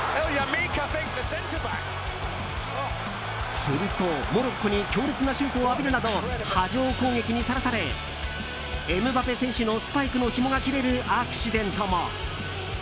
するとモロッコに強烈なシュートを浴びるなど波状攻撃にさらされエムバペ選手のスパイクのひもが切れるアクシデントも。